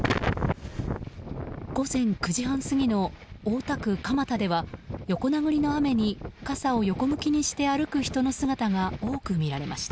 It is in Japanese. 午前９時半過ぎの大田区蒲田では横殴りの雨に傘を横向きにして歩く人の姿が多く見られました。